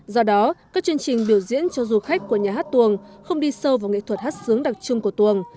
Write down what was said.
do đó các chương trình biểu diễn cho du khách của nhà hát tuồng không đi sâu vào nghệ thuật hát sướng đặc trưng của tuồng